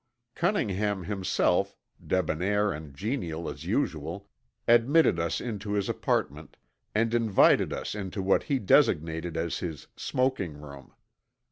Cunningham himself, debonair and genial as usual, admitted us into his apartment and invited us into what he designated as his smoking room.